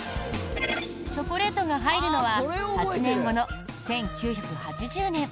チョコレートが入るのは８年後の１９８０年。